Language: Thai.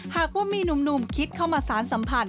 หากว่ามีหนุ่มคิดเข้ามาสารสัมพันธ